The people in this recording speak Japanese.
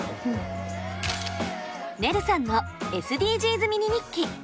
ねるさんのＳＤＧｓミニ日記。